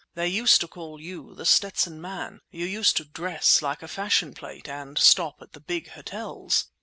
They used to call you The Stetson Man, you used to dress like a fashion plate and stop at the big hotels.